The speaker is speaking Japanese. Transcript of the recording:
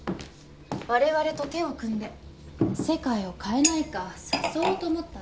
われわれと手を組んで世界を変えないか誘おうと思ったの。